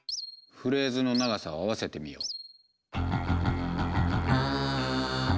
フレーズの長さを合わせてみよう。